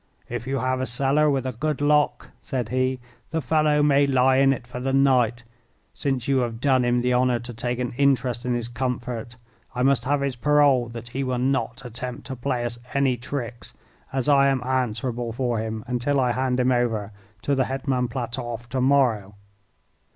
"If you have a cellar with a good lock," said he, "the fellow may lie in it for the night, since you have done him the honour to take an interest in his comfort. I must have his parole that he will not attempt to play us any tricks, as I am answerable for him until I hand him over to the Hetman Platoff to morrow."